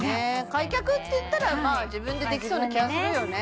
開脚っていったらまあ自分でできそうな気がするよね